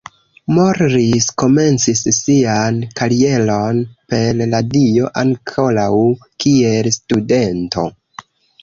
Morris komencis sian karieron per radio ankoraŭ kiel studento.